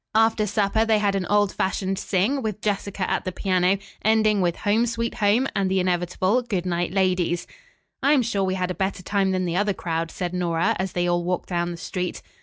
After supper they had an old fashioned "sing," with Jessica at the piano, ending with "Home, Sweet Home" and the inevitable "Good Night, Ladies." "I'm sure we had a better time than the other crowd," said Nora as they all walked down the street.